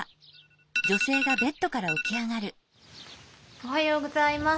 おはようございます。